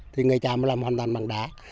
thì người pháp làm hoàn toàn bằng đá